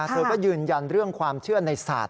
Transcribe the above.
เธอก็ยืนยันเรื่องความเชื่อในศาสต